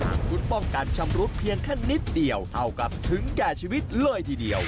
อาวุธป้องกันชำรุดเพียงแค่นิดเดียวเท่ากับถึงแก่ชีวิตเลยทีเดียว